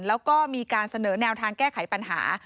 แล้วก็มีการเสนอแนวทางแก้ไขปัญหา